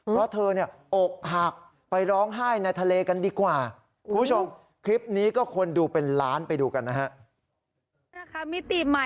เพราะเธอเนี่ยอกหักไปร้องไห้ในทะเลกันดีกว่าคุณผู้ชมคลิปนี้ก็คนดูเป็นล้านไปดูกันนะฮะ